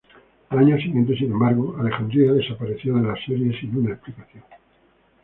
Al año siguiente, sin embargo, Alejandría desapareció de la serie sin una explicación.